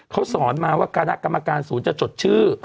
เขาสอนมาว่าคณะกรรมการศูนย์จะจดชื่อ